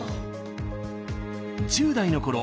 １０代のころ